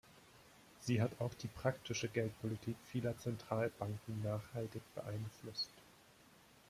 Sie hat auch die praktische Geldpolitik vieler Zentralbanken nachhaltig beeinflusst.